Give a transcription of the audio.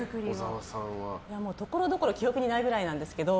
ところどころ記憶にないくらいなんですけど。